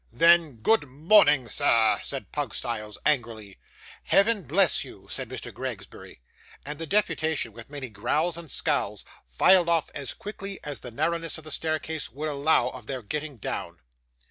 'Then, good morning, sir,' said Pugstyles, angrily. 'Heaven bless you!' said Mr. Gregsbury. And the deputation, with many growls and scowls, filed off as quickly as the narrowness of the staircase would allow of their getting down.